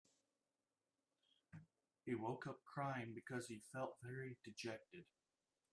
He woke up crying because he felt very dejected.